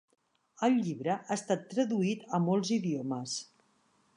El llibre ha estat traduït a molts idiomes.